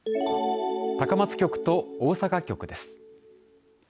高松局と大阪局です。